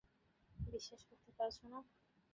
বিশ্বাস করতে পারছ না?